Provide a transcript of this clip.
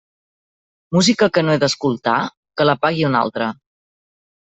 Música que no he d'escoltar, que la pague un altre.